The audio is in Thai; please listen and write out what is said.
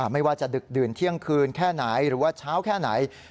ไม่ว่าจะดึกดื่นเที่ยงคืนแค่ไหนหรือว่าเช้าแค่ไหน